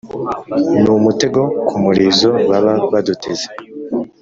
n’umutego ku murizo baba baduteze